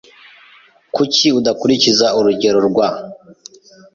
Kuki udakurikiza urugero rwa ?